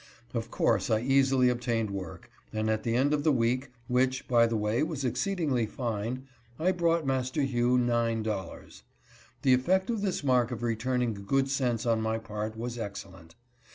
Of course I easily obtained work, and at the end of the week, which, by the way, was exceed ingly fine, I brought Master Hugh nine dollars. The effect of this mark of returning good sense on my part was excellent.